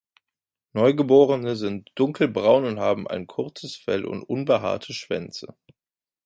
Neugeborene sind dunkelbraun und haben ein kurzes Fell und unbehaarte Schwänze.